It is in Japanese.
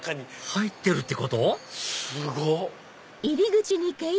入ってるってこと⁉すごっ！